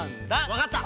わかった！